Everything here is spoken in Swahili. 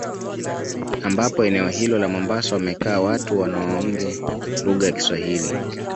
Ambapo eneo hilo la mombasa wamekaa watu wanaoonge lugha ya kiswahili